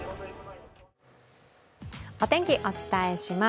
お天気、お伝えします。